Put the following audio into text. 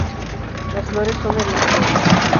Las flores son hermafroditas.